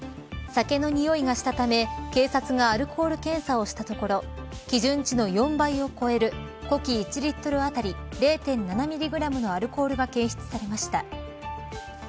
酒のにおいがしたため警察がアルコール検査をしたところ基準値の４倍を超える呼気１リットル当たり０．７ミリグラムのアルコールが検出されました。